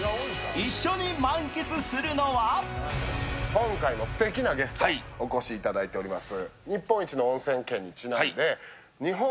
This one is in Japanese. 今回もすてきなゲストにお越しいただいております。